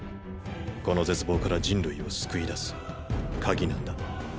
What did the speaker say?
この絶望から人類を救い出す「鍵」なんだ。